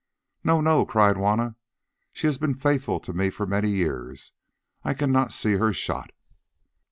"No! no!" cried Juanna, "she has been faithful to me for many years. I cannot see her shot."